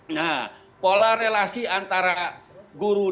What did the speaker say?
nah pola relasi antara guru dan murid itu kan pilih